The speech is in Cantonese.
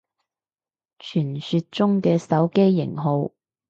傳說中嘅手機型號